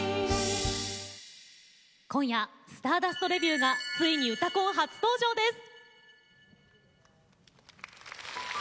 今夜、スターダストレビューがついに「うたコン」初登場です。